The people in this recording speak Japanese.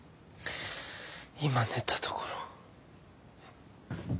今寝たところ。